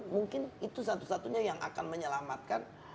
mungkin itu satu satunya yang akan menyelamatkan